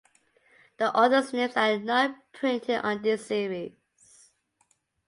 The author's names are not printed on this series.